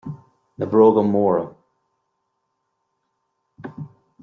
Na bróga móra